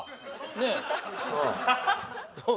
ねえ。